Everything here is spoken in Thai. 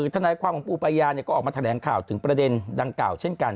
ทนายความของปูปายาก็ออกมาแถลงข่าวถึงประเด็นดังกล่าวเช่นกัน